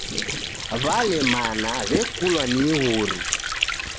W'alemana w'ekulwa ni ighuri.